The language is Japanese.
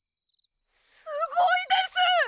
すごいです！